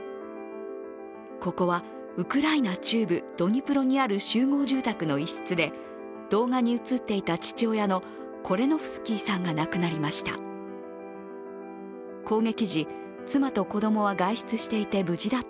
ここはウクライナ中部ドニプロにある集合住宅の一室で動画に映っていた父親のコレノフスキーさんが亡くなりました。